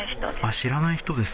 知らない人です。